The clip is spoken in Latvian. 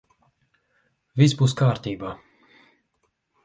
Viss būs kārtībā.